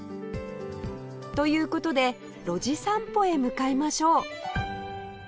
という事で路地散歩へ向かいましょう